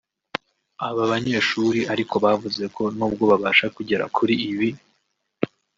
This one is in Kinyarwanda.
Aba banyeshuri ariko bavuze ko n’ubwo babasha kugera kuri ibi